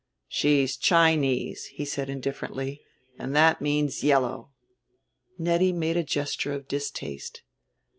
"She's Chinese," he said indifferently, "and that means yellow." Nettie made a gesture of distaste.